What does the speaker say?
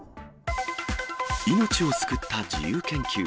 命を救った自由研究。